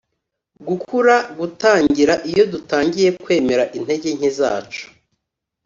“gukura gutangira iyo dutangiye kwemera intege nke zacu.”